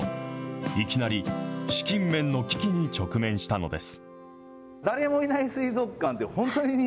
いきなり、資金面の危機に直面したのです。